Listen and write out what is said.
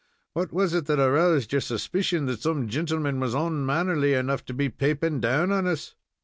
What was it that aroused your suspicion that some jintleman was onmannerly enough to be paaping down on us?"